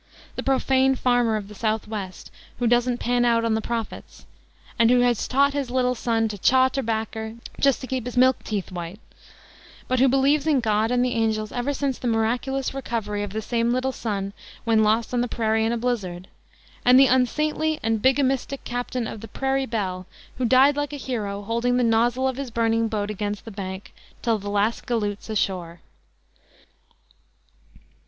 The profane farmer of the South west, who "doesn't pan out on the prophets," and who had taught his little son "to chaw terbacker, just to keep his milk teeth white," but who believes in God and the angels ever since the miraculous recovery of the same little son when lost on the prairie in a blizzard; and the unsaintly and bigamistic captain of the Prairie Belle, who died like a hero, holding the nozzle of his burning boat against the bank "Till the last galoot's ashore."